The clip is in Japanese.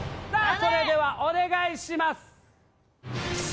それではお願いします